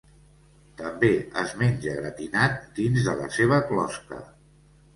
També es menja gratinat dins de la seva closca.